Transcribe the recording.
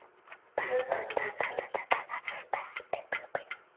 阿正把杯面设计成一个令人想拥抱的可爱外观。